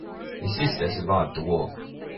His sister survived the war.